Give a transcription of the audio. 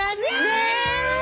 ねえ。